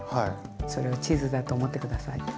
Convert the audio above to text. それをチーズだと思って下さい。